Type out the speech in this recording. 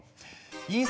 印刷